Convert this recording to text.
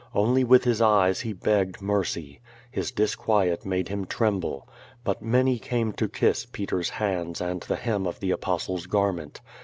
Only with his eyes he begged mercy. His disquiet made him trem ble. But many came to kiss Peter's hands and the hem of the Apostle's garment.